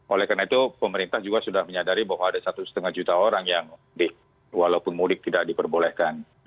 oleh karena itu pemerintah juga sudah menyadari bahwa ada satu lima juta orang yang walaupun mudik tidak diperbolehkan